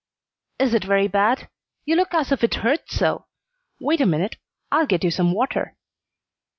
"Is it very bad? You look as if it hurts so. Wait a minute I'll get you some water."